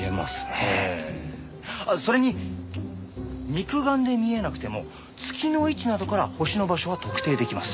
あっそれに肉眼で見えなくても月の位置などから星の場所は特定できます。